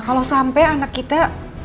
kalau sampai anak kita